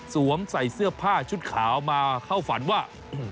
ใส่เสื้อผ้าชุดขาวมาเข้าฝันว่า